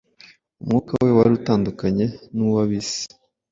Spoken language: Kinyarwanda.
Umwuka we wari utandukanye n’uw’ab’isi,